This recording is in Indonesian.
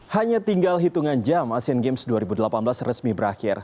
hanya tinggal hitungan jam asian games dua ribu delapan belas resmi berakhir